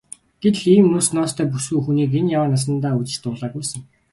Гэтэл ийм үс ноостой бүсгүй хүнийг энэ яваа насандаа үзэж дуулаагүй сэн.